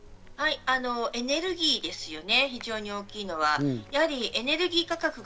抜け道があるエネルギーですよね、非常に大きいのは。